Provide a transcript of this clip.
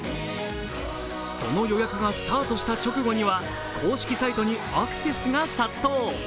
その予約がスタートした直後には公式サイトにアクセスが殺到。